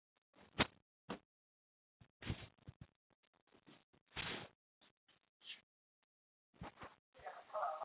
警方亦已经在该政府人员报警后进入立法会大楼搜查。